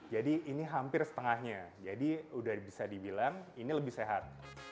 jadi ini hampir setengahnya jadi udah bisa dibilang ini lebih sehat